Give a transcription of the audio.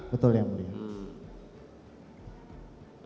betul ya muridnya